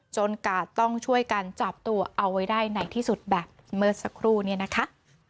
กาดต้องช่วยกันจับตัวเอาไว้ได้ในที่สุดแบบเมื่อสักครู่เนี่ยนะคะ